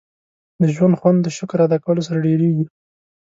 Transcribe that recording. • د ژوند خوند د شکر ادا کولو سره ډېرېږي.